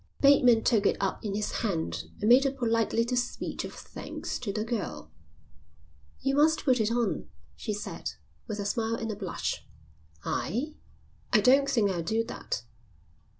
Bateman took it up in his hand and made a polite little speech of thanks to the girl. "You must put it on," she said, with a smile and a blush. "I? I don't think I'll do that."